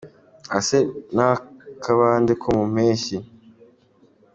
Asa n’akabande ko mu mpeshyi